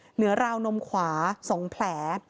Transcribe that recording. เหนือราวนมขวา๒แผล